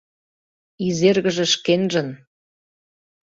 Изергыже шкенжын